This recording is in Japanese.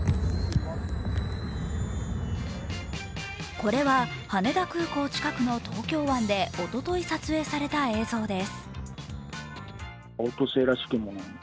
これは羽田空港近くの東京湾でおととい撮影された映像です。